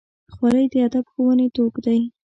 خولۍ د ادب ښوونې توک دی.